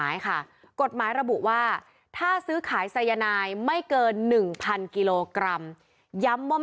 ย้ำว่าไม่เกิน๑๐๐๐กิโลกรัม